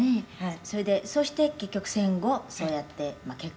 「それでそして結局戦後そうやって結核にかかって」